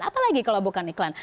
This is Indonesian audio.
apalagi kalau bukan iklan